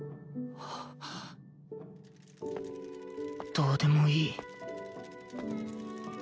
どうでもいい